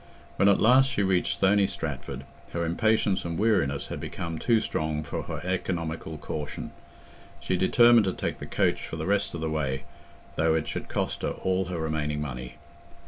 When at last she reached Stony Stratford, her impatience and weariness had become too strong for her economical caution; she determined to take the coach for the rest of the way, though it should cost her all her remaining money.